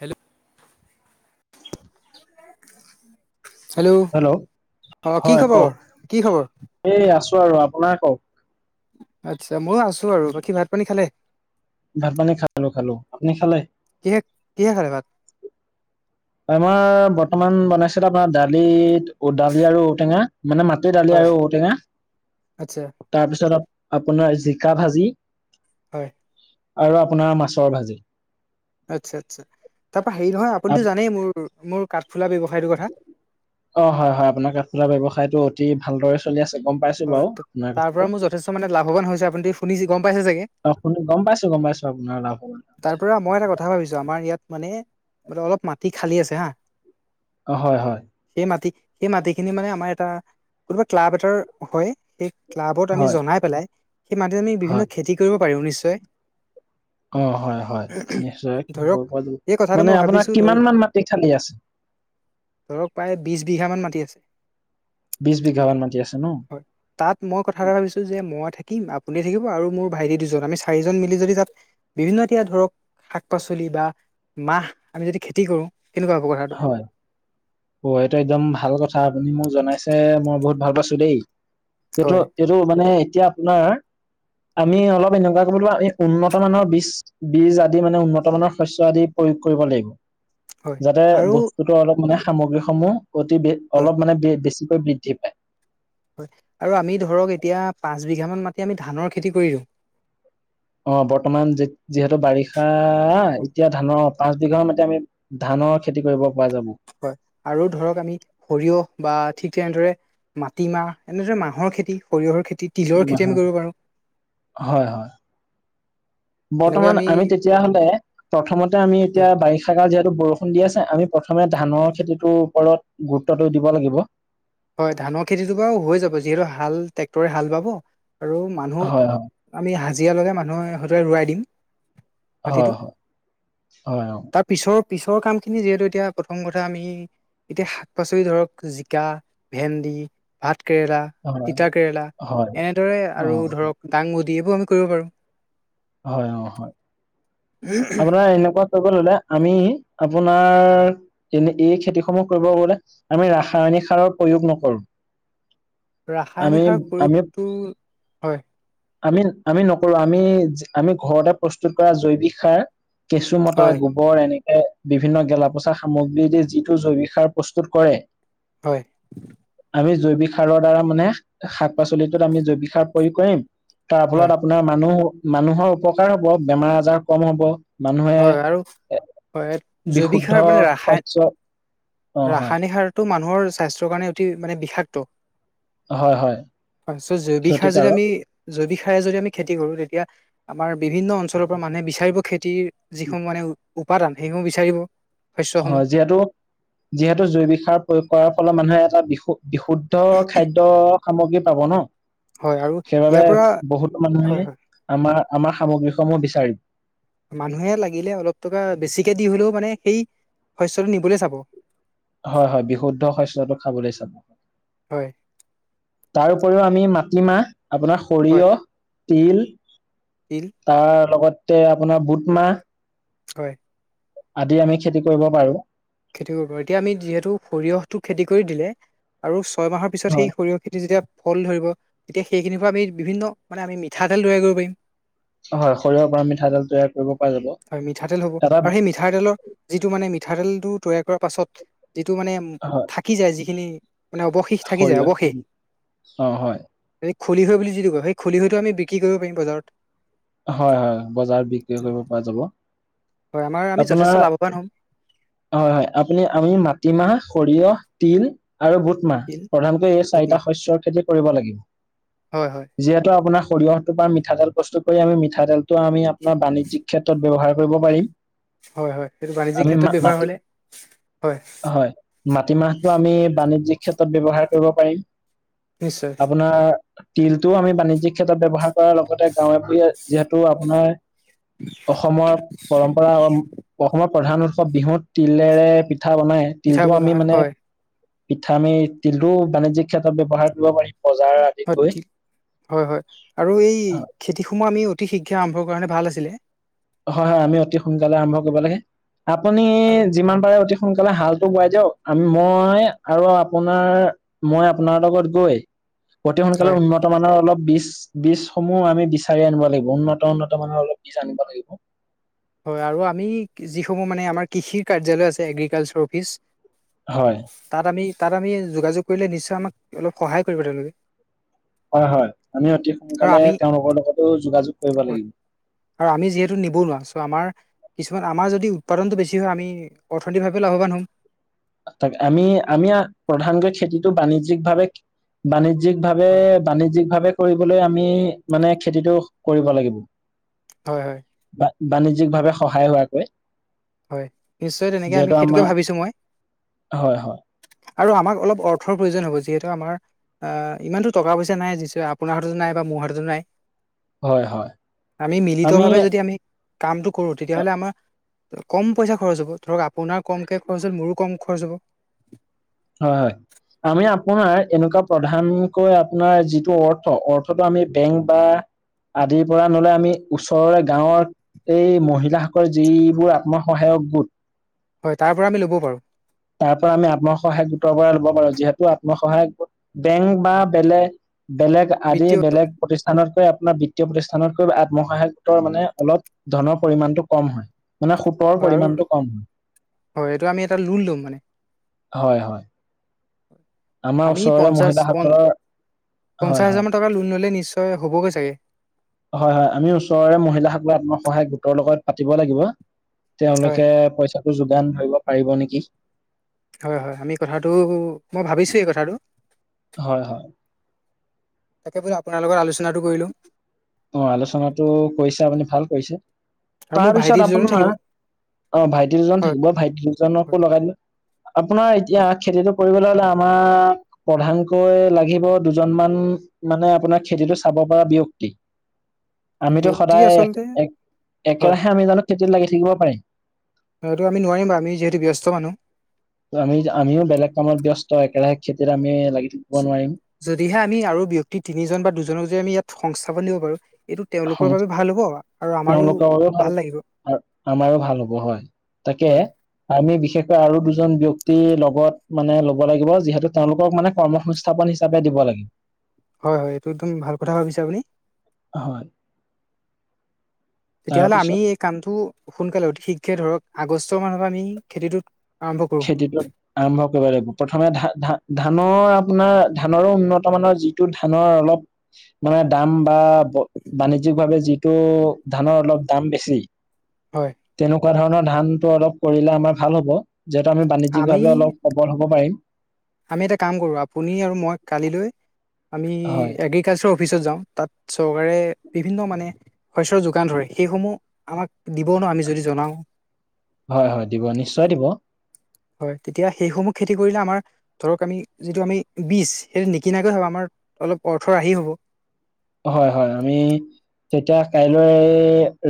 Hello, hello, অ, কি হয় খবৰ কওক কি খবৰ? এই আছো আৰু আপোনাৰ কওক। আচ্ছা, ময়ো আছো আৰু বাকী ভাত পানী খালে? ভাত পানী খালো-খালো। আপুনি খালে? কিহে কিহে খালে ভাত? আমাৰ বৰ্তমান বনাইছিলে। আপোনা দালিত দালি আৰু ঔটেঙা মানে মা [unintelligible] দালি হয় আৰু ঔ টেঙা আচ্ছা তাৰপিছত আপোনাৰ জিকা ভাজি। হয়। আৰু আপোনাৰ মাছৰ ভাজি। আচ্ছা-আচ্ছা, তাৰপা হেৰি নহয় আপুনিতো আপ- জানেই মোৰ মোৰ কাঠফুলা ব্যৱসায়টোৰ কথা? অ, হয়-হয়। আপোনাৰ কাঠফুলাৰ ব্যয়ৱসায়টো অতি ভালদৰে চলি আছে গম পাইছো হয় বাৰু আপোনাৰ তাৰ পৰা কথাটো মোৰ যথেষ্ট মানে লাভৱান হৈছে। আপুনিতো শুনি গম পাইছেই চাগে? অ', শুনি গম পাইছো গম পাইছো আপোনাৰ লাভৰ তাৰ পৰা মই এটা কথা ভাবিছো আমাৰ ইয়াত মানে অলপ মাটি খালী আছে হা। অ', হয়-হয়। সেই মাটি সেই মাটিখিনি মানে আমাৰ এটা কোনোবা ক্লাব এটাৰ হয়। সেই ক্লাবত আমি হয় জনাই পেলাই সেই মাটিত আমি বিভিন্ন হয় খেতি কৰিব পাৰিম নিশ্চয়। অ', হয়-হয় নিশ্চয়। ধৰক এই কথাটো মানে মই আপোনাৰ ভাবিছো ধৰ কিমান মান মাটি খালি আছে? ধৰক প্ৰায় বিছ বিঘামান মাটি আছে। বিছ বিঘামান মাটি আছে ন? হয়। তাত মই কথা এটা ভাবিছো যে, মই থাকিম আপুনি থাকিব আৰু মোৰ ভাইটি দুজন আমি চাৰিজন মিলি যদি তাত বিভিন্ন এতিয়া ধৰক শাক-পাচলি বা মাহ আমি যদি খেতি কৰো। কেনেকুৱা হব কথাটো? হয়। অ', এইটো একদম ভাল কথা আপুনি মোক জনাইছে মই বহুত ভাল পাইছো দেই। সেইটো হয় এইটো মানে এতিয়া আপোনাৰ আমি অলপ এনেকুৱা কৰিব লাগিব। আমি উন্নত মানৰ বীজ, বীজ আদি মানে উন্নত মানৰ শস্য আদি প্ৰয়োগ কৰিব লাগিব। হয় যাতে আৰু বস্তুতো অলপ মানে সামগ্ৰীসমূহ অতি বেছি, হয় অলপ মানে বেছিকৈ বৃদ্ধি পায়। হয়, আৰু আমি ধৰক এতিয়া পাঁচ বিঘামান মাতি আমি ধানৰ খেতি কৰি দিওঁ। অ', বৰ্তমান যিহেতু বাৰিষা এতিয়া ধানৰ পাঁচ বিঘা মাটি আমি ধানৰ খেতি কৰিব পৰা যাব। হয়, আৰু ধৰক আমি সৰিয়হ বা ঠিক তেনেদৰে মাটিমাহ এনেদৰে মাহৰ খেতি, সৰিয়হৰ খেতি তিলৰ খেতি আমি কৰিব পাৰো [unintelligible] হয়-হয়। বৰ্তমান আমি [unintelligible] তেতিয়াহলে প্ৰথমতে আমি হয় এতিয়া বাৰিষা কাল যিহেতু বৰষুণ দি আছে। আমি প্ৰথমে ধানৰ খেতিটোৰ ওপৰত গুৰুত্বটো দিব লাগিব। হয়। ধানৰ খেতিটো বাৰু হৈ যাব। যিহেতু হাল ট্ৰেক্টৰে হাল বাব আৰু হয় মানুহ আমি হাজিৰা লগাই মানুহৰ হতুৱাই ৰুৱাই দিম। হ, মাটিটো হ [unintelligible] তাৰ পিছৰ পিছৰ কামখিনি যিহেতু এতিয়া প্ৰথম কথা আমি এতিয়া শাক পাচলি ধৰক জিকা ভেন্দি, ভাত কেৰেলা, হয় তিতা কেৰেলা হয় এনেদৰে অ আৰু ধৰক দাংবদী এইবোৰ আমি কৰিব পাৰো। হয়। অ, হয়। আপোনাৰ এনেকুৱা [unintelligible] ৰুলে আমি, আপোনাৰ এনেই এই খেতিসমূহ কৰিব গ'লে, আমি ৰাসায়নিক সাৰৰ প্ৰয়োগ নকৰো। আমি ৰাসায়নিক সাৰ, আমি প্ৰয়োগটো, হয়। আমি, আমি নকৰো। আমি, আমি ঘৰতে প্ৰস্তুত কৰা জৈৱিক সাৰ কেঁচু মতা হয় গো গোবৰ, এনেকে বিভিন্ন গেলাপচা সামগ্ৰী দি যিটো জৈৱিক সাৰ প্ৰস্তুত কৰে। হয়। আমি জৈৱিক সাৰৰ দ্বাৰা মানে, শাক-পাচলিবোৰত আমি জৈৱিক সাৰ প্ৰয়োগ কৰিম। তাৰ হয় ফলত আপোনাৰ মানুহৰ উপকাৰ হ'ব, বেমাৰ-আজাৰ কম হ'ব। মানুহে, হয় আৰু হয় জৈৱিক সাৰ বিশুদ্ধ মানে ৰাসায়ন শস্য অ হয় ৰাসায়নিক সাৰটো, মানুহৰ স্বাস্থ্যৰ কাৰণে অতি মানে বিষাক্ত। হয় হয় হয়, জৈৱিক সাৰ যদি ক্ষতিকাৰক আমি জৈৱিক সাৰে যদি আমি খেতি কৰো, তেতিয়া আমাৰ বিভিন্ন অঞ্চলৰ পৰা মানুহে বিচাৰিব। খেতিৰ যিসমূহ মানে, উপাদান, সেইসমূহ বিচাৰিব। শস্যসমূহ যিহেতু, যিহেতু জৈৱিক সাৰ, প্ৰয়োগ কৰাৰ ফলত মানুহে এটা বিশু বিশুদ্ধ খাদ্য সামগ্ৰী পাব ন, হয় আৰু ইয়াৰ সেইবাবে পৰা বহুতো হয় মানুহে হয় আমাৰ, আমাৰ সামগ্ৰী সমূহ বিচাৰিব। মানুহে লাগিলে, অলপ টকা বেছিকে দি, হ'লেও মানে সেই শস্যটো নিবলৈ চাব। হয়, হয়, বিশুদ্ধ শস্যটো খাবলৈ চাব। হয়। তাৰ উপৰিও আমি মাটিমাহ, আপোনাৰ হয় সৰিয়হ, তিল তিল। তাৰ লগতে, আপোনাৰ, বুট মাহ। হয়। আদি আমি, খেতি কৰিব পাৰো। খেতি কৰিব পাৰো, এতিয়া আমি যিহেতু, সৰিয়হটো খেতি কৰি দিলে আৰু ছয় মাহৰ পিছত, সেই হয় সৰিয়হ খেতি যেতিয়া ফুল ধৰিব, তেতিয়া সেইখিনিৰ পৰা, আমি বিভিন্ন, মানে আমি মিঠাতেল তৈয়াৰ কৰিব পাৰিম। হয়, সৰিহৰ পৰা মিঠাতেল তৈয়াৰ কৰিব পৰা যাব, হয় মিঠাতেল হ'ব এটা আৰু সেই মিঠাতেলৰ, যিটো মানে মিঠাতেলটো তৈয়াৰ কৰা পাছত, যিটো মানে হয় থাক কি যায়, যিখিনি মানে অৱশেষ থাকি যায়, সৰিয়হ অৱশেষ। অ হয় খলিহৈ বুলি, যিটো কয়, সেই খলিহৈ আমি বিক্ৰী কৰিব পাৰিম বজাৰত। হয়, হয়, বজাৰত বিক্ৰী কৰিব পৰা যাব, হয় আমাৰ আমি যথেষ্ট আপোনাৰ লাভৱান হ'ম হয়, হয়, আপুনি, আমি মাটিমাহ, সৰিয়হ, তিল আৰু বোট। মাহ, তিল, প্ৰধানকৈ এই বুট চাৰিটা মাহ শস্যৰ খেতি কৰিব লাগিব। হয় হয় যিহেতু, আপোনাৰ সৰিয়হটো পৰা মিঠাতেল প্ৰস্তুত কৰি আমি, মিঠাতেলটো আমি আপোনাৰ, বাণিজ্যিক ক্ষেত্ৰত ব্যৱহাৰ কৰিব পাৰিম। হয়, হয়, সেইটো বাণিজ্যিক আমি ক্ষেত্ৰত মা ব্যৱহাৰ মাটি হ'লে, হয়। হয় মাটিমাহটো আমি, বাণিজ্যিক ক্ষেত্ৰত ব্যৱহাৰ কৰিব পাৰিম, নিশ্চয় আপোনাৰ। তিলটোও আমি, বাণিজ্যিক ক্ষেত্ৰত ব্যৱহাৰ কৰাৰ লগতে, গাঁৱে-ভুৱে যিহেতু আপোনাৰ অসমৰ পৰম্পৰা, অসমত প্ৰধান উৎসৱ বিহুত, তিলেৰে পিঠা বনাই, পিঠা তিলটো বনোৱা আমি হয় মানে হয় পিঠা, আমি তিলটোও বাণিজ্যিক ক্ষেত্ৰত ব্যৱহাৰ কৰিব পাৰিম, বজাৰ আদিত হয় গৈ ঠিক, হয়, হয়, আৰু এই খেতিসমূহ আমি, অতি শীঘ্ৰে আৰম্ভ কৰা হেঁতেন ভাল আছিলে। হয়, হয়, আমি অতি সোনকালে আৰম্ভ কৰিব লাগে, আপুনি, আৰু যিমান পাৰে অতি সোনকালে হালটো বোৱাই দিয়ক, মই আৰু আপোনাৰ মই আপোনাৰ লগত গৈ অতি সোনকালে হয় উন্নত উন্নত মানৰ বীজ বীজসমূহ আমি বিচাৰি আনিব লাগিব, উন্নত উন্নত মানৰ অলপ আনিব লাগিব। হয়, আৰু আমি যিসমূহ মানে আমাৰ কৃষিৰ কাৰ্যালয় আছে এগ্ৰিকালচাৰ অফিচ। হয়। তাত আমি, তাত আমি, যোগাযোগ কৰিলে নিশ্চয় আমাক অলপ সহায় কৰিব তেওঁলোকে। হয়, হয়, আমি অতি আৰু সোনকালে আমি তেওঁলোকৰ লগতো যোগাযোগ কৰিব হয়, লাগিব। আৰু আমি যিহেতু নিব নোৱাৰা চ' আমাৰ কিছুমান আমাৰ যদি উৎপাদনটো বেছি হয়, আমি অৰ্থনৈতিকভাৱে লাভৱান হ'ম। তাক আমি আমি প্ৰধানকৈ খেতিটো বাণিজ্যিক ভাৱে বাণিজ্যিক ভাৱে হয় বাণিজ্য়িক ভাৱে কৰিবলৈ আমি মানে খেতিটো কৰিব লাগিব। হয়, হয়। বা-বাণিজ্যিক ভাৱে সহায় হোৱাকৈ। হয়, নিশ্চয় তেনেকে আমি যিহেতু সেইটোকে আমাৰ ভাবিছো মই। হয়, হয়। আৰু আমাক অলপ অৰ্থৰ প্ৰয়োজন হ'ব আমাৰ ইমানটো টকা-পইচা নাই যি আপোনাৰ হাততো নাই, বা মোৰ হাততো নাই। হয়, হয়। আমি মিলিত ভাৱে যদি আমি কামটো কৰো, তেতিয়া হ'লে আমাৰ কম পইচা খৰচ হ'ব, ধৰক আপোনাৰ কমকে খৰচ হ'ল মোৰো কম খৰচ হ'ব। হয়, হয়। আমি আপোনাৰ এনেকুৱা প্ৰধানকৈ আপোনাৰ যিটো অৰ্থ, অৰ্থটো আমি বেংক বা আদিৰ পৰা নহ'লে আমি ওচৰৰে গাঁৱৰ এই মহিলাসকল যিবোৰ আত্মসহায়ক গোট। হয়, তাৰ পৰা আমি ল'ব পাৰোঁ। তাৰ পৰা আমি আত্মসহায়ক গোটৰ পৰা ল'ব পাৰো, যিহেতু আত্মসহায়ক গোট বেংক বা বেলেগ বেলেগ আদি বিত্তীয় বেলেগ প্ৰতিষ্ঠানতকৈ আপোনাৰ বিত্তীয় প্ৰতিষ্ঠানতকৈ আত্মসহায়ক গোটৰ মানে অলপ ধনৰ পৰিমানটো কম হয়, মানে সুতৰ হয় আৰু পৰিমাণটো কম হয়। হয়, এইটো আমি এটা লোন ল'ম মানে। হয়, হয়। আমাৰ আমি ওচৰৰে পঞ্চাশ মহিলাসকলৰ পঞ্চাশ হয় হয় হাজাৰ মান টকাৰ লোন ল'লে নিশ্চয় হ'বগৈ চাগে? হয়, হয়, আমি ওচৰৰে মহিলাসকলে আত্মসহায়ক গোটৰ লগত পাতিব লাগিব। হয় তেওঁলোকে পইচাটো যোগান ধৰিব পাৰিব নেকি? হয়, হয়, আমি কথাটো মই ভাবিছোঁ এই কথাটো। হয়, হয়। তাকে বোলে আপোনাৰ লগত আলোচনাটো কৰি লও। অ', আলোচনাতো কৰিছে আপুনি ভাল কৰিছে আৰু মোৰ ভাইটি তাৰপিছত দুজনো থাকিব আপোনাৰ অ', ভাইটি দুজন হয় থাকিব ভাইটি দুজনকো হয় লগাই দিলোঁ। আপোনাৰ এতিয়া হয় খেতিটো কৰিবলৈ হ'লে আমাৰ প্ৰধানকৈ লাগিব দুজনমান মানে আপোনাৰ খেতিটো চাব পৰা ব্যক্তি। আমিতো ব্যক্তি সদায় আচলতে হয় এক-একেৰাহে আমি জানো খেতিত লাগি থাকিব পাৰিম? এইটো আমি নোৱাৰিম বাৰু আমি যিহেতু ব্যস্ত মানুহ। আমি আমিও বেলেগ কামত ব্যস্ত একেৰাহে খেতিত আমি লাগি থাকিব য- নোৱাৰিম। যদিহে আমি আৰু ব্যক্তি তিনিজন বা দুজনক যদি আমি ইয়াত সংস্থাপন দিব পাৰো। এইটো হ তেওঁলোকৰ বাবে ভাল হ'ব আৰু আমাৰো তেওঁলোকৰো ভাল আৰু আমাৰো ভাল হব হয় তাকে হয় আমি বিশেষকৈ আৰু দুজন ব্যক্তি লগত মানে লব লাগিব যিহেতু তেওঁলোকক মানে কৰ্মসং স্থাপন হিচাপে দিব লাগে। হয় হয় এইটো একদম ভাল কথা ভাবিছে আপুনি হয় তেতিয়াহ'লে তাৰপিছত আমি কামটো সোনকালে অতি শীঘ্ৰে ধৰক আগষ্টৰ মানৰ পৰা আমি খেতিটোত আৰম্ভ কৰো খেতিটো আৰম্ভ কৰিব লাগিব প্ৰথমে ধা ধা ধানৰ আপোনাৰ ধানৰো উন্নত মানৰ যিটো ধানৰ অলপ মানে দাম বা বাণিজ্যিক ভাৱে যিটো ধানৰ অলপ দাম বেছি হয় তেনেকোৱা ধৰণৰ ধানটো অলপ কৰিলে আমাৰ ভাল হব যিহেতু আমি আমি বাণিজ্যিকভাৱে অলপ সফল হ'ব পাৰিম আমি এটা কাম কৰো আপুনি আৰু মই কালিলৈ আমি হয় এগ্ৰি কালচাৰ অফিচত যাও তাত চৰকাৰে বিভিন্ন মানে শস্যৰ যোগান ধৰে সেইসমূহ আমাক দিব ন আমি যদি জনাও হয় হয় দিব নিশ্চয় দিব হয় তেতিয়া সেইসমূহ খেতি কৰিলে আমাৰ ধৰক আমি যিটো আমি বীজ সেইটো নিকিনাকৈ হ'ব আমাৰ অলপ অৰ্থ ৰাহি হ'ব হয় হয় আমি তেতিয়া কাইলৈ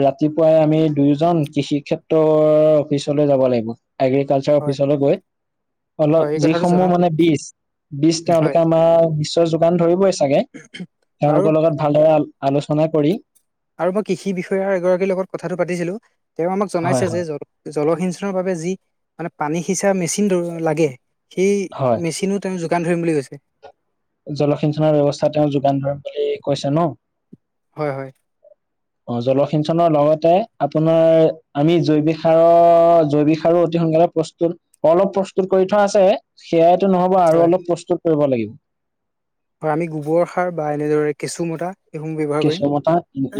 ৰাতিপুৱাই আমি দুয়োজন কৃষি ক্ষেত্ৰৰ অফিচলৈ যাব লাগিব এগ্ৰিকালচাৰ হয় অফিচলৈ গৈ অলপ হয় এই কথাটো যিসমূহ জনাম মানে বিজ বিজ হয় তেওঁলোকে আমাৰ বিজৰ যোগান ধৰিবই চাগে আৰু তেওঁলোকৰ লগত ভালদৰে আলোচনা কৰি আৰু মই কৃষি বিষয়া এগৰাকীৰ লগত কথাটো পাতিছিলো তেওঁ আমাক হয় জনাইছে যে হয় জলসিঞ্চনৰ বাবে যি মানে পানী সিঁচা মেচিন লাগে সেই হয় মেচিনত তেওঁ যোগান ধৰিম বুলি কৈছে। জলসিঞ্চনৰ ব্যৱস্থা তেওঁ যোগান ধৰিম বুলি কৈছে ন? হয়, হয় অ জলসিঞ্চনৰ লগতে আপোনাৰ আমি জৈৱিক সাৰৰ জৈৱিক সাৰো অতি সোনকালে প্ৰস্তুত অলপ প্ৰস্তুত কৰি থোৱা আছে, সেয়াইটো নহব আৰু হয় অলপ প্ৰস্তুত কৰিব লাগিব। আৰু আমি গোবৰ সাৰ বা এনেদৰে কেঁচু মতা কেঁচ মতা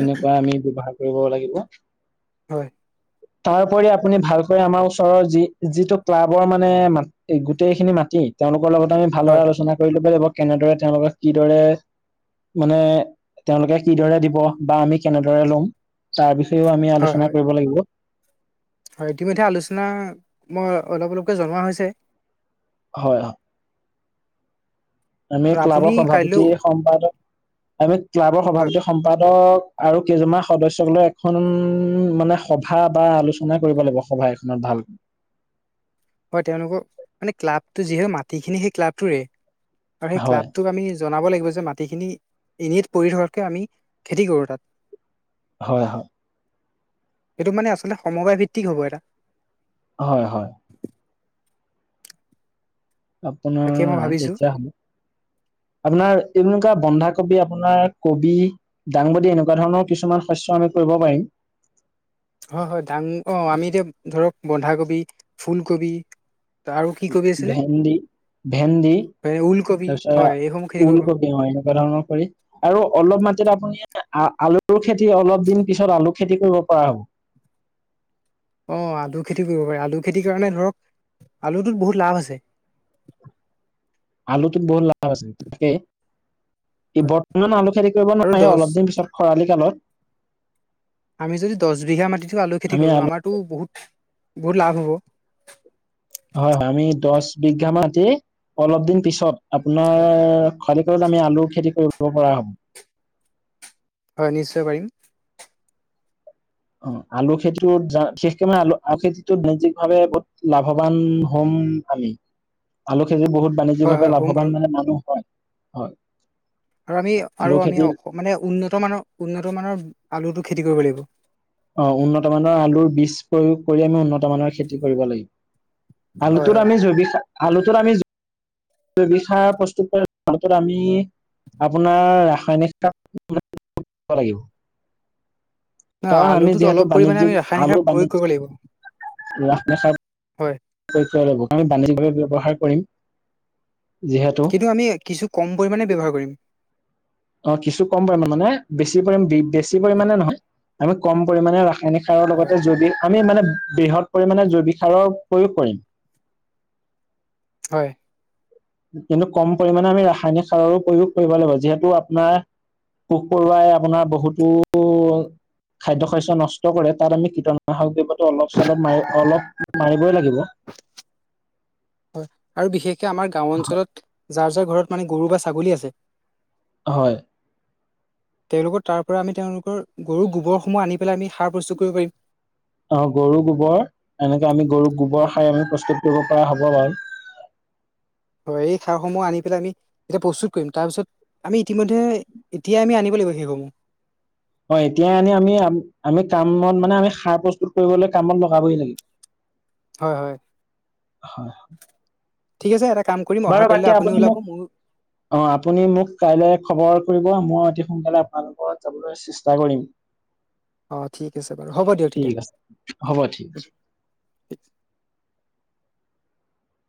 এনেকোৱা আমি ব্যৱহাৰ কৰিব লাগিব। হয় তাৰপৰি আপুনি ভালকৈ আমাৰ ওচৰৰ যি যিটো ক্লাবৰ মানে মা গোটেইখিনি মাটি তেওঁলোকৰ লগতে আমি ভালদৰে হয় আলোচনা কৰি লব লাগিব কেনেদৰে তেওঁলোকক কিদৰে মানে তেওঁলোকে কিদৰে দিব বা, আমি কেনেদৰে লম তাৰ বিষয়েও আমি হয় হয় আলোচনা কৰিব লাগিব। হয়, ইতিমধ্যে আলোচনা মই অলপ অলপকৈ জনোৱা হৈছে। হয়, হয় আমি আৰু আপুনি ক্লাবৰ কাইলৈও সভাপতি, সম্পাদক আমি ক্লাবৰ হয় সভাপতি, সম্পাদক আৰু কেইজনমান সদস্যক লৈ এখন মানে সভা বা আলোচনা কৰিব লাগিব সভা এখনত ভালকে। হয় তেওঁলোকৰ মানে ক্লাবটো যিহু মাটিখিনি সেই ক্লাবটোৰে আৰু সেই হয় ক্লাবটোক আমি জনাব লাগিব যে মাটিখিনি এনেই পৰি থকাতকে আমি খেতি কৰো তাত। হয়, হয়। সেইটো মানে আচলতে সমবায় ভিত্তিক হ'ব এটা। হয়, হয়। আপোনাৰ তাকে মই ভাবিছোঁ তেতিয়া হ'ব। আপোনাৰ এনেকুৱা বন্ধাকবি, আপোনাৰ কবি দাংবডী এনেকুৱা ধৰণৰ কিছুমান শস্য আমি কৰিব পাৰিম। হয়, হয়। দাং অ' আমি এতিয়া ধৰক বন্ধাকবি, ফুলকবি আৰু কি কবি আছিলে ভেন্দি ভেন্দি এ ওলকবি হয় এইসমূহ খেতি তাৰপিছত কৰিব পাৰোঁ ওলকবি অ' এনেকুৱা ধৰণৰ কৰি আৰু অলপ মাটিত আপুনি আলুৰ খেতি অলপ দিন পিছত আলু খেতি কৰিব পৰা হ'ব। অ' আলু খেতি কৰিব পাৰে। আলু খেতিৰ কাৰণে ধৰক আলুটোত বহুত লাভ আছে। আলুটোত বহুত লাভ আছে তাকেই বৰ্তমান আলু খেতি কৰিব আৰু নোৱাৰে, দহ অলপ দিন পিছত খৰালি কালত। আমি যদি দহ বিঘা মাটিটো আলু খেতি আমি কৰোঁ আলু আমাৰতো বহুত বহুত লাভ হ'ব। হয়, হয়। আমি দহ বিঘা মাটি অলপ দিন পিছত আপোনাৰ খালি কৰিলে আমি আলুৰ খেতি কৰিব পৰা হ'ব। হয় নিশ্চয় পাৰিম। অ' আলু বিশেষকৈ মানে আলু নৈতিক ভাৱে বহুত লাভৱান হ'ম আমি। আলু খেতি বহুত বাণিজ্যিক হয় ভাৱে হয় হ'ম বাৰু লাভৱান মানে মানুহ হয়। হয়। আৰু আমি আলু আৰু আমি খেতিৰ মানে উন্নত মানৰ উন্নত মানৰ আলুটো খেতি কৰিব লাগিব। অ' উন্নত মানৰ আলুৰ বীজ প্ৰয়োগ কৰি আমি উন্নত মানৰ খেতি কৰিব লাগিব। হয় আলুটোৰ হয় আমি জৈৱিক সা আলুটোৰ আমি জ জৈবিক সাৰ প্ৰস্তুত কৰি আলুটোট আমি আপোনাৰ ৰাসায়নিক সাৰ [unintelligible] ন কাৰণ আমি আলুটোত অলপ যিহেতু পৰিমাণে আমি বাণিজ্যিক ৰাসায়নিক সাৰ আলু প্ৰয়োগ কৰিব লাগিব বাণিজ্যিক কস নখ [unintelligible] হয় ল'ব আমি বাণিজ্যিকভাৱে ব্যৱসায় কৰিম যিহেতু। কিন্তু আমি কিছু কম পৰিমাণে ব্যৱহাৰ কৰিম। অ' কিছু কম পৰিমাণে মানে বেছি পৰিমাণ বেছি পৰিমণে নহয় আমি কম পৰিমণে ৰাসায়নিক সাৰ সাৰৰ হয় লগতে জৈৱিক আমি মানে বৃহৎ পৰিমাণে জৈৱিক সাৰৰ প্ৰয়োগ কৰিম। হয়। কিন্তু কম পৰিমাণে আমি ৰাসায়নিক সাৰৰো প্ৰয়োগ কৰিব লাগিব, যিহেতু আপোনাৰ পোক পৰুৱা আৰু আপোনাৰ বহুতো খাদ্য শস্য নষ্ট কৰে, তাত আমি কটনাশক দ্ৰৱ্য টো অলপ চলপ মাৰি অলপ মাৰিবই লাগিব। হয়। আৰু বিশেষকে আমাৰ গাঁও অঞ্চলত যাৰ যাৰ ঘৰত মানে গৰু বা ছাগলী আছে। হয়। তেওঁলোকৰ তাৰ পৰা আমি তেওঁলোকৰ গৰু গোবৰসমূহ আনি পেলাই আমি সাৰ প্ৰস্তুত কৰিব পাৰিম। অ' গৰু গোবৰ এনেকে আমি গৰু গোবৰ হয় সাৰ আমি প্ৰস্তুত কৰিব পৰা হ'ব বাৰু। হয়। এই সাৰসমুহ আনি পেলাই আমি এতিয়া প্ৰস্তুত কৰিম। তাৰপিছত আমি ইতিমধ্যে এতিয়া আমি আনিব লাগিব সেইসমুহ। হয়। এতিয়াই আনি আমি আমি কামত মানে আমি সাৰ প্ৰস্তুত কৰিবলৈ কামত লগাবহি লাগিব। হয়, হয়। হয়, হয়। ঠিক আছে এটা কাম কৰিম, অহা বাকী কালিলৈ আপুনি মোক ওলাব মইও অ' আপুনি মোক কাইলৈ খবৰ কৰিব, মই অতি সোনকালে আপোনালোকৰ ঘৰত যাবলৈ চেষ্টা কৰিম। [inaudible] আছে বাৰু হ'ব দিয়ক তেতিয়া হ'ব ঠিক আছে।